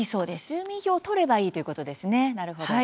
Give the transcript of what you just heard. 住民票を取ればいいということですね、なるほど。